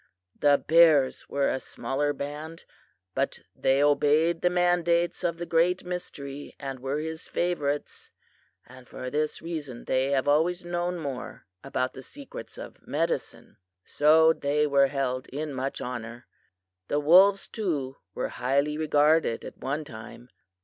The bears were a smaller band, but they obeyed the mandates of the Great Mystery and were his favorites, and for this reason they have always known more about the secrets of medicine. So they were held in much honor. The wolves, too, were highly regarded at one time.